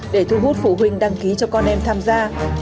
để thu hút phụ huynh đăng ký cho con em tham gia